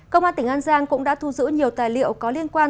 công an tỉnh an giang cũng đã thu giữ nhiều tài liệu có liên quan